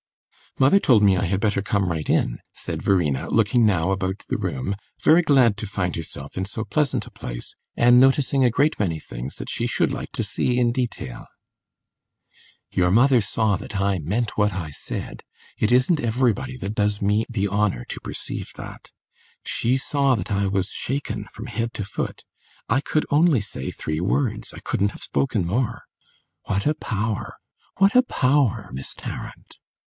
"Mother told me I had better come right in," said Verena, looking now about the room, very glad to find herself in so pleasant a place, and noticing a great many things that she should like to see in detail. "Your mother saw that I meant what I said; it isn't everybody that does me the honour to perceive that. She saw that I was shaken from head to foot. I could only say three words I couldn't have spoken more! What a power what a power, Miss Tarrant!"